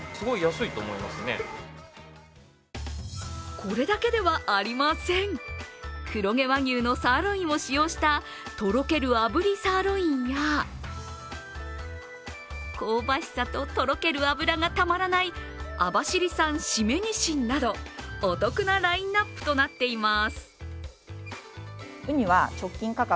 これだけではありません、黒毛和牛のサーロインを使用したとろける炙りサーロインや、香ばしさととろける脂がたまらない網走産〆にしんなど、お得なラインナップとなっています。